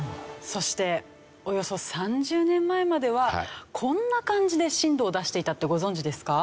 そしておよそ３０年前まではこんな感じで震度を出していたってご存じですか？